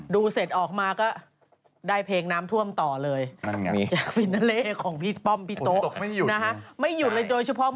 ดูเสร็จออกมาก็ได้เพลงน้ำท่วมต่อเลย